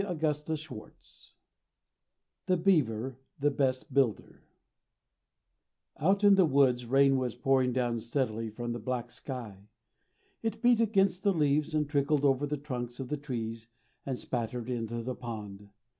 V THE BEAVER "THE BEST BUILDER" THE BEST BUILDER OUT in the woods rain was pouring down steadily from the black sky. It beat against the leaves and trickled over the trunks of the trees and spattered into the pond.